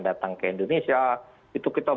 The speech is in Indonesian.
datang ke indonesia itu kita